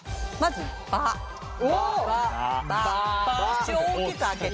口を大きく開けて。